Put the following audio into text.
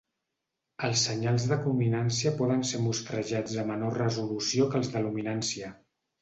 Els senyals de crominància poden ser mostrejats a menor resolució que el de luminància.